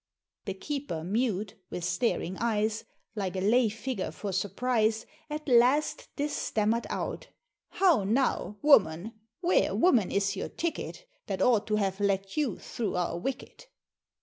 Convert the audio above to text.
The Keeper mute, with staring eyes, Like a lay figure for surprise, At last this stammered out, "How now? Woman where, woman, is your ticket, That ought to have let you through our wicket?"